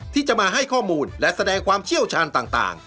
ที่จะมาให้ข้อมูลและแสดงความเชี่ยวชาญต่าง